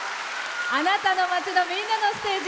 あなたの街の、みんなのステージ。